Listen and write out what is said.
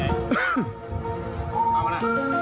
ห๊า